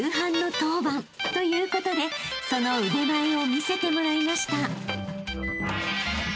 ［ということでその腕前を見せてもらいました］